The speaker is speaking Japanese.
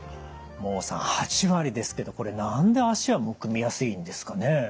孟さん８割ですけどこれ何で脚はむくみやすいんですかね？